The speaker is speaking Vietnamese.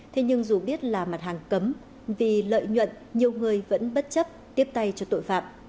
thế nhưng dù biết là mặt hàng cấm vì lợi nhuận nhiều người vẫn bất chấp tiếp tay cho tội phạm